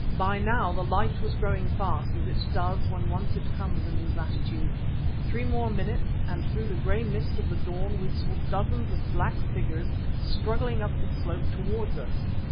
By now the light was growing fast, as it does when once it comes in these latitudes. Three more minutes, and through the grey mist of the dawn we saw dozens of black figures struggling up the slope towards us.